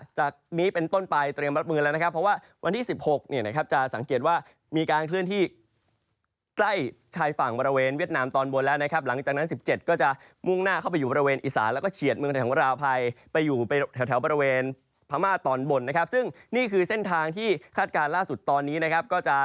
จากนี้เป็นต้นไปเตรียมรับมือแล้วนะครับเพราะว่าวันที่๑๖เนี่ยนะครับจะสังเกตว่ามีการเคลื่อนที่ใกล้ชายฝั่งบริเวณเวียดนามตอนบนแล้วนะครับหลังจากนั้น๑๗ก็จะมุ่งหน้าเข้าไปอยู่บริเวณอีสานแล้วก็เฉียดเมืองไทยของเราไปอยู่ไปแถวบริเวณพม่าตอนบนนะครับซึ่งนี่คือเส้นทางที่คาดการณ์ล่าสุดตอนนี้นะครับก็จะ